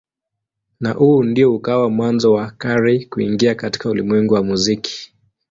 Na huu ndio ukawa mwanzo wa Carey kuingia katika ulimwengu wa muziki.